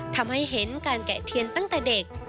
ทำให้เห็นการแกะเทียนตั้งแต่เด็ก